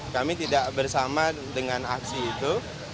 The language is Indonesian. kami tidak bersama dengan aksi itu